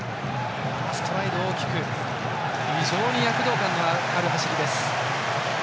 ストライド大きく非常に躍動感のある走りです。